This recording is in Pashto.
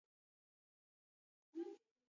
ایا خوله مو کوږه شوې ده؟